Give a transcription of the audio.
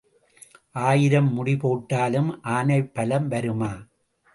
ஆயிரம் முடி போட்டாலும் ஆனைப் பலம் வருமா?